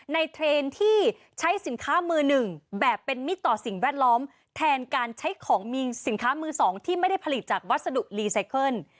เทรนด์ที่ใช้สินค้ามือหนึ่งแบบเป็นมิตรต่อสิ่งแวดล้อมแทนการใช้ของมีสินค้ามือสองที่ไม่ได้ผลิตจากวัสดุรีไซเคิล